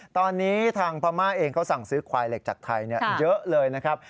ตอนนี้ทางพม่าเองเขาสั่งซื้อควายเหล็กจากไทยเยอะเลยนะครับ